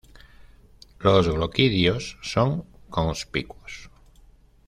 Los gloquidios son conspicuos.